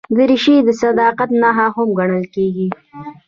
دریشي د صداقت نښه هم ګڼل کېږي.